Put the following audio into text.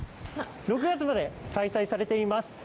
６月まで開催されています。